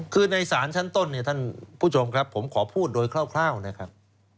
คือในศาลชั้นต้นเนี่ยท่านผู้ชมครับผมขอพูดโดยคร่าวนะครับ